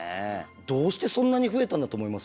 どうしてそんなに増えたんだと思います？